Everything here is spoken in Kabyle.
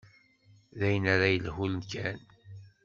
D ayen ara yelhun kan.